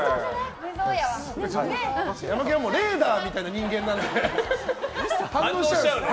ヤマケンはレーダーみたいな人間なので。